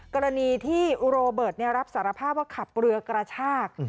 กรณีที่โรเบิร์ตรับสารภาพว่าขับเรือกระชาก